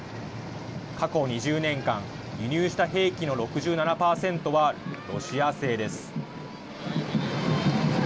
過去２０年間輸入した兵器の６７％はロシア製です。